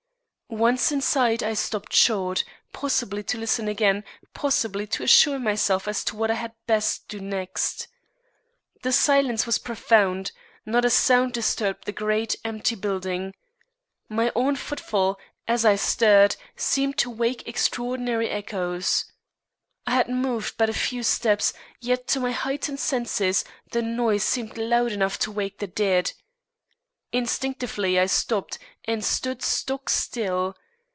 Once inside, I stopped short, possibly to listen again, possibly to assure myself as to what I had best do next. The silence was profound. Not a sound disturbed the great, empty building. My own footfall, as I stirred, seemed to wake extraordinary echoes. I had moved but a few steps, yet to my heightened senses, the noise seemed loud enough to wake the dead. Instinctively I stopped and stood stock still.